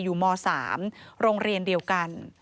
ม๓โรงเรียนเดียวกัน